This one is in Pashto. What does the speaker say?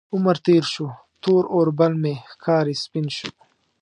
عمر تیر شو، تور اوربل مې ښکاري سپین شو